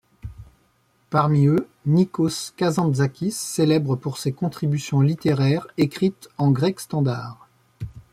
Parmi eux, Níkos Kazantzákis, célèbre pour ses contributions littéraires écrites en grec standard.